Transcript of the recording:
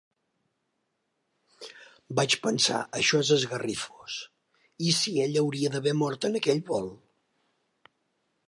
Vaig pensar, això és esgarrifós, ¿i si ella hauria d'haver mort en aquell vol?